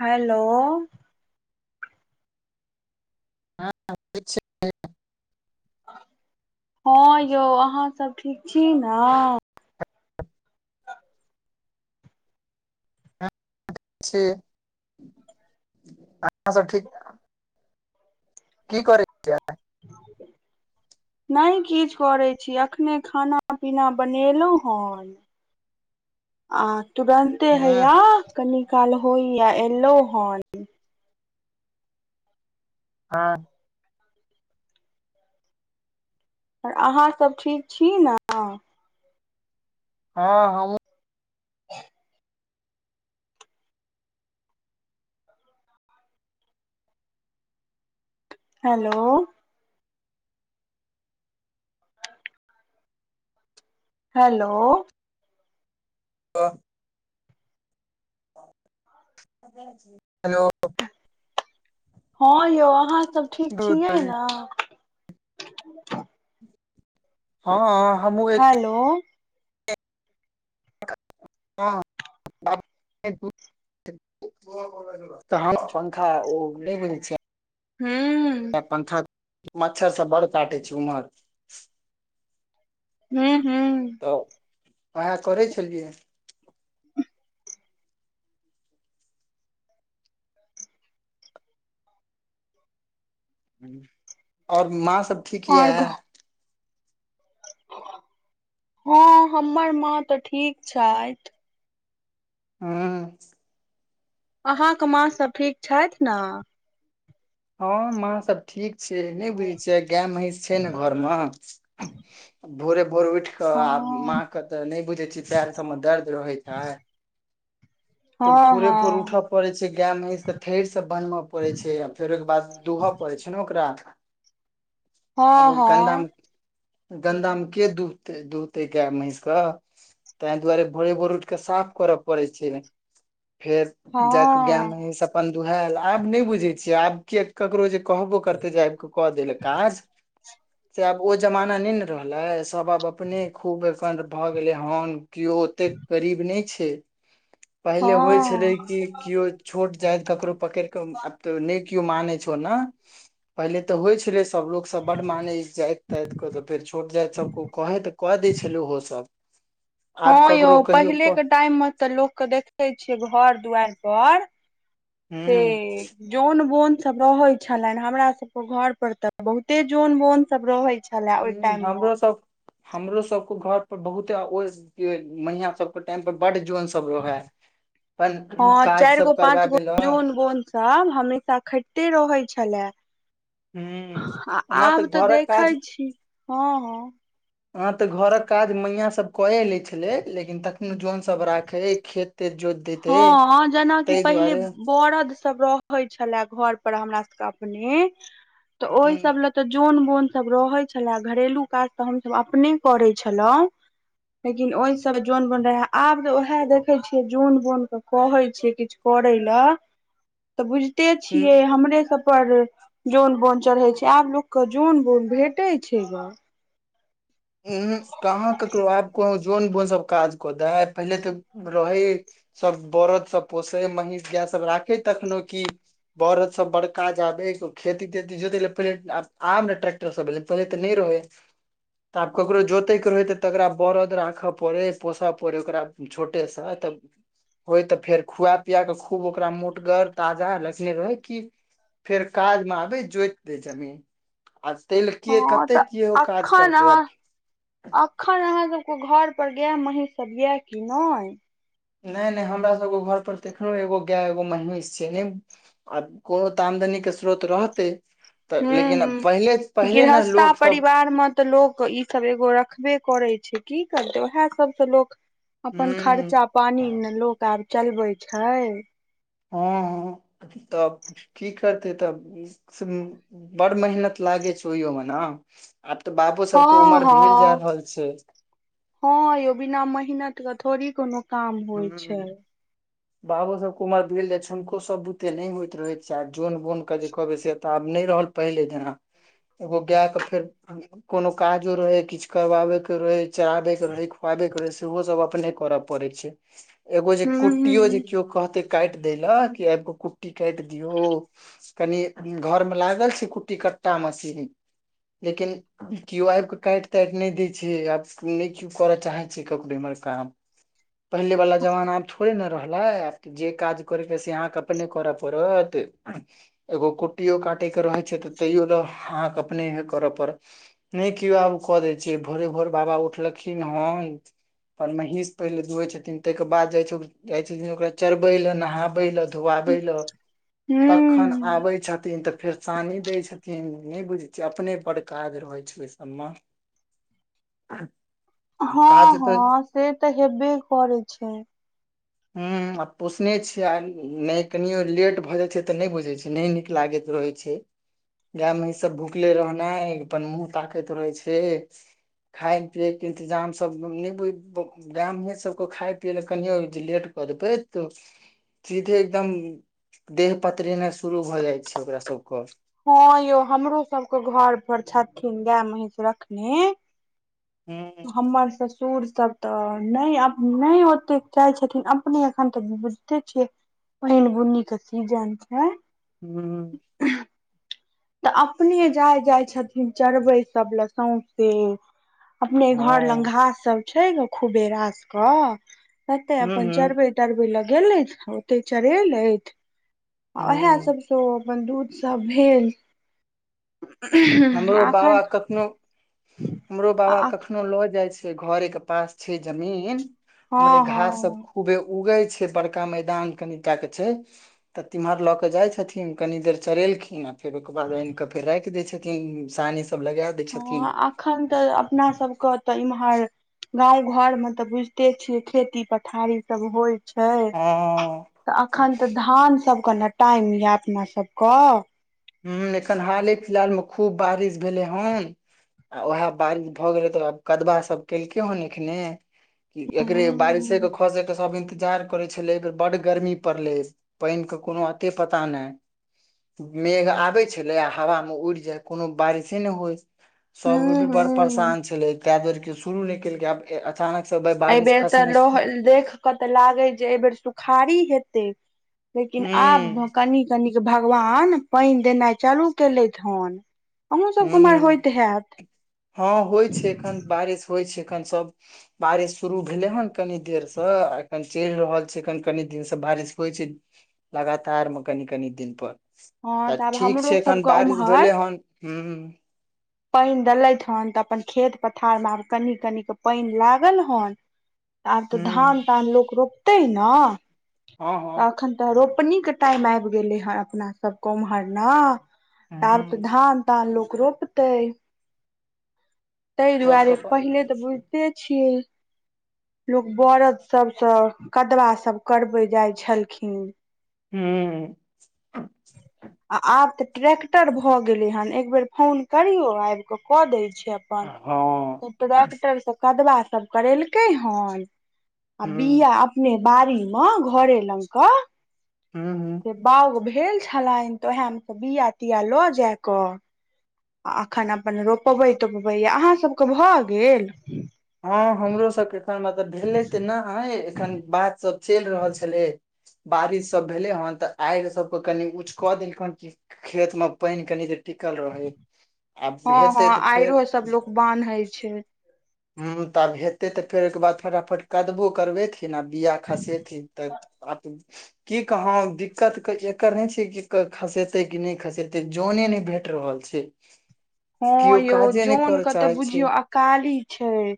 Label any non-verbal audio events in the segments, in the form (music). Hello (unintelligible) हँ यौ अहाँ सब ठीक छी न छी अहां सब ठीक। कि करै छियै नहि किछु करै छी अखने खाना पीना बनेलौ हन आ तुरंते हँ हया कनी काल होय एलो हन हँ र अहाँसभ ठीक छी न हँ हमु (inaudible) हेलो हेलो तऽ हेलो हँ यौ अहाँ सब ठीक दूध छियै दूरी। न हँ हमहूँ एत हेलो हँ। (unintelligible) तहन पंखा ओ नहि बुझै हूँ छियै। पंखा मच्छर सब बड़ काटै छै उम्हर हू हू तऽ वह‌ए करै छलियै ओर माँ सभ ठीक आओर यऽ। हँ, हमर माँ तऽ ठीक छै। हँ। अहाँकेँ माँ सभ ठीक छथि ने। हँ, माँ सभ ठीक छै, नहि बुझै छियै गाय महीस छै, ने घरमे। भोरे भोर उठ कऽ आ माँ। हँ के तऽ नहि बुझै छियै पैर सभ मे दर्द रहैत छै। तऽ हँ भोरे भोर हँ उठ। पड़े छै, गाय महीष तऽ थेर से बनबय पड़े छै, आ फेर ओहि के बाद दुहय पड़े छै, ने ओकरा। हँ आबो गन्दा हँ मे। गन्दामे के दुहतै दुहतै गाय महीष कऽ। ताहि दुआरे भोरे भोर उठके साफ करऽ पड़े छै, ने फेर जाकऽ गाय हँ मे सभ। अपन दुहल आब नहि बुझे छियै, आब केकरो जे कहबो करते जे आब के कऽ देल काज। (inaudible) से आब ओ जमाना नहि रहलै ने। आब सभ अपने खूब व्यस्त भऽ गेलै हँ। केओ ओते कऽ गरीब नहि छै, पहिले होइ छल हँ रहै कि केओ। छोट जाइत ककरो पकड़ कऽ आब तऽ नहि केओ मानै छौ न। पहिले तऽ होइ छलै सभ लोकोसभ बड माने जाति ताइत के तऽ फेर छोट जाति सभके ओ कहैत। कऽ दै छलू ओ सभ। हँ, यौ, पहिले के टाइम मे तऽ लोक के देखे छियै घर दुआरि पर। हूं ठीक जन बोन सभ रहे छलनि हमरा सभके घर पर तऽ बहुते जन बोन सभ रहे छै। हमरो सभ। हमरो सभक घर पर बहुत घोर (unintelligible) (unintelligible) रहै छै। सभके अपन-अपन टाइम पर बहुत जोर रहै छै। सभ रह है अपन काज सभ करब ब। त सभ हमेशा खटैत रहै छलै। हूं आ आब तऽ देखैत छै। हँ, हँ। (inaudible) ह, तऽ घर कऽ काज मैया सभ करए लै छलै, लेकिन तखनो जन सभ राखै खेत तेत ज। हँ, जेनाकि पहिले बरद। सभ रहै छले, घर पर हमरा सभके अपने तऽ ह ओहि सभ तऽ जन बोन। सभ रहै छले घरेलू काज तऽ हमसभ अपने करै छलहुँं। लेकिन ओहि सभ जन बन रहे है आब तऽ उएहे देखे छियै। जोन बोन के कहे छिय किछु करे तऽ बुझते छियै, हमरे सभ। पर जन बोन चढ़े छै, आब लोके जन बोन भेटे छै। उ कहाँ ककरो आब को जन बोन सभ काज कऽ द पहिले तऽ रहै। सभ बरद सभ पोसै महीष गाय सभ राखे तखनो कि। बड़द सभ बड़काबो खेती ते जोते पहि आम ने ट्रटर। सभ एले पहि तऽ नहि रहै। तऽ आब ककरो जोतै के रहय त तकरा बरद राखय पड़य पोसय पड़े ओकरा। छोटेसँ तक होय तऽ फेर खुआ पिया कऽ खूब ओकरा मोटगर ताजा लखने रहै कि। फेर काजमे आबै जोति दैइ जमीन। आ तेल के हँ कट्टे तऽ केओ काज अखन करतै अहाँ आब। अखन अहाँ सभके घर पर गाय महीष सभ यए कि नहि। नहि नहि हमरा सभके घर पर तखनो एगो गाय एगो महिष छै ने। आ कोनो तऽ आमदनीक के स्रोत रहतै तऽ हूँ लेकिन आब हूँ पहिले पहिले न गृहस्था लोकसभ परिवार मे तऽ लोक ई सब एगो रखबे करै छै की करतै उएह सबसँ लोक अपन खर्चा पानी हूँ न लोक आब चलबे छै हँ हँ तब की करते तब बड़ मेहनत लागै छै ओहियो म न आब तऽ बाबो हँ सबके उमर भेल जा हँ रहल छै हँ यौ बिना मेहनत कऽ थोड़ी कोनो काम होइ छै हू बाबो सबकय उमर भेल जाय हुनको सब बुते नहि होइत रहे छै आ जन बोन के जे कहबै से त आब नहि रहल पहिले जेना एगो गायके फेर कोनो काजो रहै किछ करबाबे के रहे चराबे के रहे खुआबे के रहे सेहो सब अपने करऽ पड़े छै एगो जे कुट्टियो जे हूँ केओ कहते काटि देयलय कि आबि क कुट्टी काटि दियो कनि घर मे लागल छै कुट्टी कट्टा मशीन लेकिन केओ आब कऽ काटि ताटि नहि दय छै आब नहि केओ करऽ चाहे छै ककरो इमहर काम पहिलेवाला जमाना आब थोड़े ने रहलै आब जे काज करैके से अहाँके अपने करऽ पड़त एगो कुटियो काटेके रहै छै तऽ तैयो लए अहाँके अपनेहे करय पड़त नहि केओ आब कऽ दै छै भोरे भोर बाबा उठलखिन हन पर महींस पहिले दूहे छथिन ताहिके बाद जाइ छै जाइ छथिन ओकरा चरबै ले नहाबै ल घुआबै लऽ तखन हूँ आबै छथिन तऽ फेर शानी दै छथिन नहि बुझै छियै अपने बढ़ काज रहै छै ओहि सबम (inaudible) हँ काज तऽ हँ से तऽ हेबे करै छै ह आ पोसने छीयै आ नहि कनियो लेट भए जाय छै तऽ नहि बुझे छै नहि नीक लागैत रहैत छै गाय महिष सब भुखले रहनाइ अपन मुह ताकैत रहे छै खायए पियए के इंतजाम सब ने बुझे छिये गामें सबक खाय पियले कनियो जी लेट क देबै सीधे एकदम देह पतरेनाई शुरू भऽ जाउ छै ओकरा सबक हँ यौ हमरो सबके घर पर छथिन गाय महींष रखने हूं हमर ससुर सब तऽ नहि नहि ओतेक चाहे छथिन अपने एखन तऽ छै पैन बुनी क सीजन छै हू तऽ अपने जाय जाइ छथिन चरबै सब लए सौसे अपने घर ल हँ घास सब छै ने खुबे रास के तते हूँ अपन हूँ चरबे ल गेलथि ओते चरेलथि आ उएह हूँ सबसँ ओ अपन दूधसभ भेल हमरो बाबा एखन कखनो हमरो बाबा कखनो लऽ जाई छै घरे के पास छै जमीन ओमरे हँ हँ घास सब खूबे उगै छै बड़का मैदान कनिटा क छै तऽ तिम्हर लऽ के जाय छथिन कनी देर चरेलखिन आ फेर ओके बाद आन के फेर राखिय दे छथिन सानी सब लगेय हँ एखन तऽ अपना सबके तऽ इम्हर गाँव घर मे तऽ बुझिते छियै खेती पथारी सब होय छै हँ तऽ अखन तऽ धान सबके न टाइम यए अपना सबकअ ह एखन हाले फिलहाल में खूब बारिश भेलै हन आ उएह बारिश भऽ गेलइ तऽ आब कदबा सब केलकै हेन एखने एकरे बारिश एक हूं खसे एक सब इन्तजार करे छले बेर बड गर्मी पड़ले पइन के कोनो अते पता नहि मेघ आबइ छले आ हवा में उड़ि जाय कोनो बारिशे ने होइ सभ गो भी बड़ हूं परेशान छलै ताहि दुआरे क शुरू नहि केलकै आब अचानक से एहि बारिश बेरका खसने लोह देख तऽ लागे जे एहि बेर सुखारी हेतै लेकिन आब ह कनि कनिक भगवान पइन देनाइ चालू केलथि हन अहूँ ह सबके उम्हर होइत हैत हँ होइ छय एखन बारिश होइ छै एखन सब बारिश शुरू भेले हन कनी देर से आ कन चलि रहल छय कन कनी दिन से बारिश होइ छै लगातार मे कनि कनि दिन पर हँ तऽ आब ठीक छय हमरो एखन सबके बारिश भेलै उम्हर हन हूँ पानि देलथि हन तऽ अपन खेत पथारमे आब कनि कनि क पइन लागल हन आब तऽ हूँ धान तान लोक रोपतै ने तऽ हँ एखन तऽ रोपनि के टाइम आइब गेलै हे अपना सबके ओम्हर न हँ आब त हूँ धान तान लोक रोपतइ तहि दुआरे सबके प पहिले तऽ बुझिते छियै लोकोग बरद सबसँ कदवा सब करबइ जाय छलखिन हूँ ह (unintelligible) आ आब तऽ ट्रैेक्टर भऽ गेलै हेन एक बेेर फोन करियउ आबि कऽ कऽ दै छै हँ हूँ अपन डाक्टर सब कदबा सब करेलकै हन आ बिया अपने बाड़ी में घरे लग क हूँ हूँ बाउग भेल छलनि तऽ ओएह में त बिया तिया लऽ जाय क आ एखन अपन रोपबै तोपबै अहाँ सभके भऽ गेल हँ हमरो सबके एखन मतलब भेलै तऽ नहि ह एखन बात सब चइल रहल छलै बारिश सब भेले हन तऽ आयर सबके कनि उछु कऽ देलखन कि खेत में पानि कनि त टिकल रहै आब हँ हँ हेतै तऽ फेर आइरो सब लोक बान्हे छय हँ तऽ आब हेतै तऽ फेर ओहिके बाद फटाफट कदबो करबै ना बीया खसेथिन तऽ आ की कह दिक्कत के एकर नहि छय कि खसेते क नहि खसेते जने नहि भेट रहल छय हँ यौ जनक के तऽ बुझियौ अकाली छय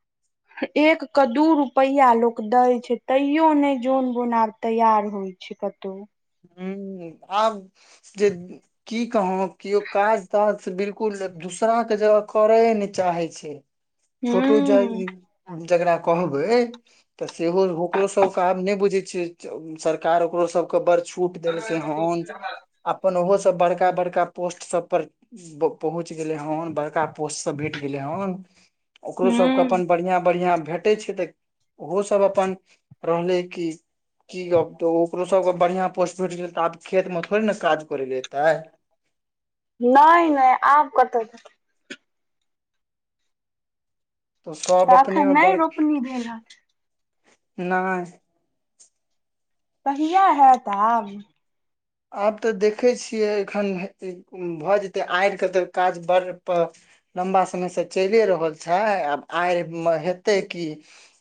(inaudible) एक के दू रूपैया लोक दय छय तैयो ने जन बोन आब तैयार होय छिपतू ह आ जे की कहौ केओ काज ताज स बिलकुल दूसरा के जगह करय नहि चाहे छय छोट हूँ जर जकरा कहबइ तऽ सेहो ओकरो सबके आब नहि बुझै छियै सरकार ओकरो सबके बड्ड छूट देलकै हन अपन ओहो सब बड़का बड़का पोस्ट सब पर पहुँच गेलइ हन बड़का पोस्टसँ भेट गेलै हन ओकरो सबके हूँ अपन बढ़ियां बढ़िया भेट के छय तऽ ओहो सब अपन रहलै कि की गब तऽ ओकरो सबके बढ़ियां पोस्ट भेट गेल तऽ आब खेत मे थोड़े ने काज करै ल एतै नहि नहि आब कतऽ तैं तऽ सब अपने एखन मे नहि बड़ रोपनी भेल हन नय कहिआ हैत आब आब तऽ देखै छियै एखन भऽ जेतै आड़े तऽ काज बड़र पर लम्बा समय से चलिए रहल छै आब आयरमे हेतै की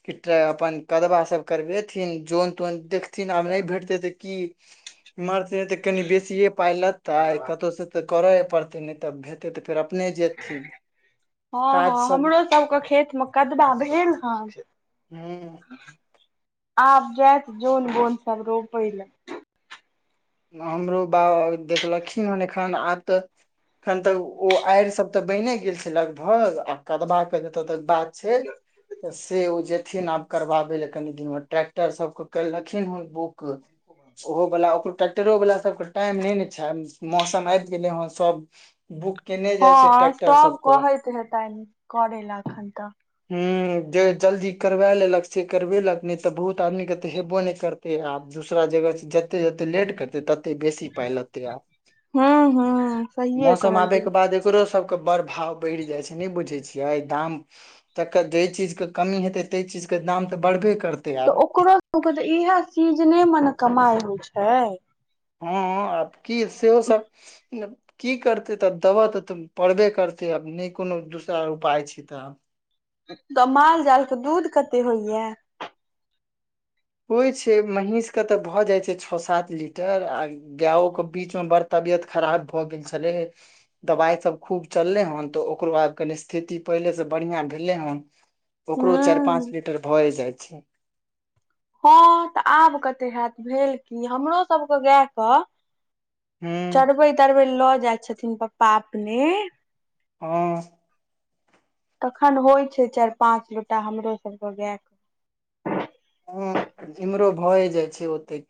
कि त अपन कदबा सब करबेथिन जोन तोन देखथिन आब नहि भेटतै तऽ की एम्हर से तऽ कनि बेसिए पाइ लेतै कतौ सँ तऽ करऽ पड़तै नहि तऽ भे एते फेर अपने जेथिन हँ काज हँ सब हमरो सबके खेतमे कदबा भेल हँ हूँ आब जायत जो बोन सब रोपय लए हमरो बाबा देखलखिन हन एखन आ तऽ एखन तक ओ आड़ि सब ते बने गेल छै लगभग आ कदवा के जतऽ तक बात छै से ओ जेथिन आब करबाबै ल कनि दिनमे ट्रैकटर सबके करि लखिनहन बुक ओ बला टेक्टरो वला सबके टाइम नहि ने छै मौसम आबि गेले ह सब बुक केने जाइ छै हँ ट्रैक्टर सब सबके कहैत हेतेन करे लए एखन तऽ ह जे जल्दी करबा लेलक से करबेलक नहि तऽ बहुत आदमी के तऽ हेबो नहि करतै ते आब दूसरा जगह जते जते लेट करते तते बेसी पाय लगते आब हूँ हूँ सहिये मौसम आबे कहलियै के बाद एकरो सब के बड़ भाव बढ़ि जाइ छै नहि बुझै छियै दाम तकर जाहि चीजके कमी हेतै ताहि चीजके दाम तऽ बढ़बे करतै आब ओ कर तऽ इएह सीजने मे ने कमाइ होइ छै हँ आब की सेहो सबकि अ की करतै तऽ देबह तऽ तऽ पड़बे करतै आब नहि कोनो दूसरा उपाय छै तऽ आब त माल जाल के दूध कते होइया होइ छै महींष के तऽ भऽ जाइ छै छ सात लीटर आ गायंओ किवंधंवंबीच में बड़ तबियत खराब भऽ गेल छलेे दबाइ सब खूब चलले हन तो ओकरो बाद कनी स्थिति पहिले से बढ़िया भेले हन ओकरो चारि हूं पाँच लीटर भए जाइ छै हँ तऽ आब कते होत भेल की हमरो सबके गेके हूँ चरबे तरबै लऽ जाइ छथिन पप्पा अपने हँ तखन होइ छै चारि पांच गोटा हमरो सबके गायके ह इम्हरो भए जाई छै ओतेक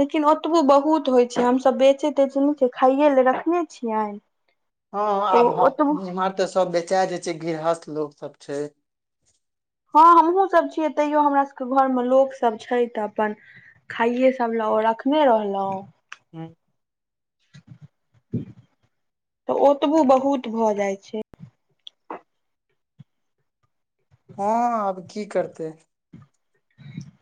लेकिन ओतबो बहुत होइत छै हमसभ बेचै तेचै बनहि छै खाइए लए रखने छियनि हँ तऽ आब ओतबो इमहर तऽ सब बेचा जा छै गृहस्थ लोक सब छै हँ हमहुँ सब छियै तैयो हमरा सभके घरमे लोकसभ छै तऽ अपन खाइये सबल ओ हु रखने रहलहुँ ह तऽ ओतबो बहुत भऽ जाइ छै हँ आब की करतै ह (unintelligible)